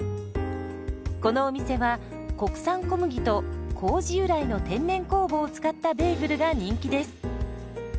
このお店は国産小麦と麹由来の天然酵母を使ったベーグルが人気です。